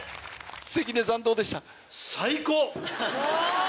関根さんどうでしたか？